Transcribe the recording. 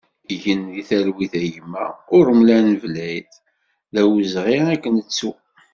Gen di talwit a gma Uramlan Blaïd, d awezɣi ad k-nettu!